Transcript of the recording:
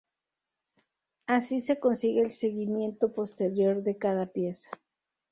Así se consigue el seguimiento posterior de cada pieza.